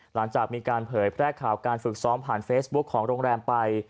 หลังจากมีการเผยแพร่ข่าวการฝึกซ้อมผ่านเฟซบุ๊คของโรงแรมไป